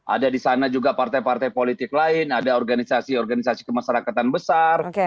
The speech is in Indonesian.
ada di sana juga partai partai politik lain ada organisasi organisasi kemasyarakatan besar